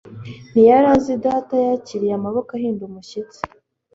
ntiyari azi ko data yakiriye, amaboko ahinda umushyitsi